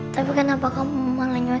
tapi kenapa kamu malah nyari mama